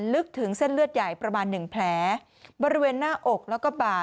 ลึกถึงเส้นเลือดใหญ่ประมาณหนึ่งแผลบริเวณหน้าอกแล้วก็บ่า